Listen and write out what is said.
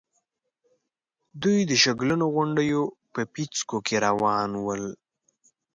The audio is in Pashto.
دوی د شګلنو غونډېو په پيڅکو کې روان ول.